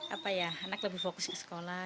apa ya anak lebih fokus ke sekolah